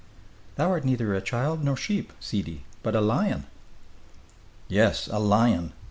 "Thou art neither child nor sheep, sidi, but a lion!" "Yes, a lion!"